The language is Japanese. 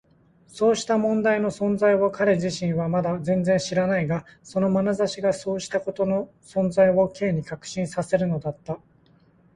そうした問題の存在を彼自身はまだ全然知らないが、そのまなざしがそうしたことの存在を Ｋ に確信させるのだった。